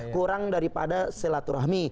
kurang daripada selaturahmi